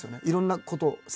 いろんなことを。